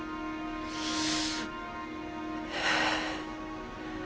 はあ。